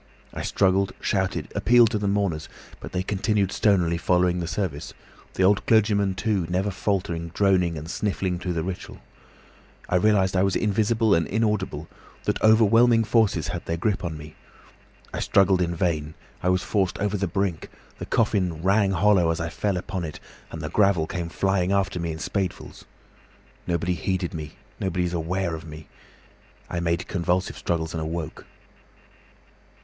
I struggled, shouted, appealed to the mourners, but they continued stonily following the service; the old clergyman, too, never faltered droning and sniffing through the ritual. I realised I was invisible and inaudible, that overwhelming forces had their grip on me. I struggled in vain, I was forced over the brink, the coffin rang hollow as I fell upon it, and the gravel came flying after me in spadefuls. Nobody heeded me, nobody was aware of me. I made convulsive struggles and awoke.